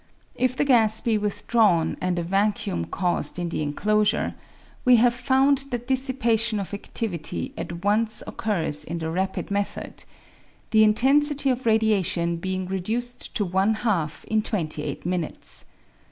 If the gas be withdrawn and a vacuum caused in the enclosure, we have found that dissipation of activity at once occurs in the rapid method ; the intensity of radiation being reduced to one half in twenty eight minutes.